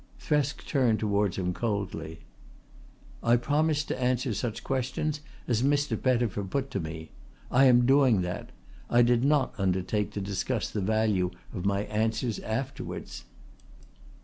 Thresk turned towards him coldly: "I promised to answer such questions as Mr. Pettifer put to me. I am doing that. I did not undertake to discuss the value of my answers afterwards."